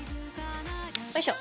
おいしょ。